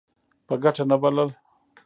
په ګټه نه بلل.